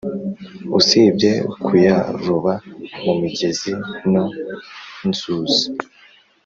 Usibye kuyaroba mu migezi, no nzuzi